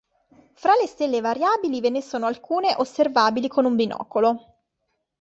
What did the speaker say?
Fra le stelle variabili, ve ne sono alcune osservabili con un binocolo.